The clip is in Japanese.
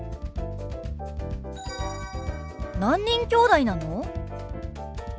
何人きょうだいなの？